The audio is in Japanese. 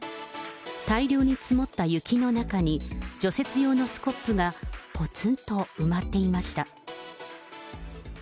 大量に積もった雪の中に、除雪用のスコップがぽつんと埋まっていました。